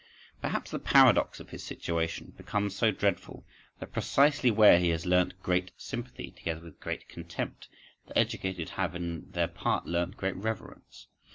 Perhaps the paradox of his situation becomes so dreadful that, precisely where he has learnt great sympathy, together with great contempt, the educated have on their part learnt great reverence.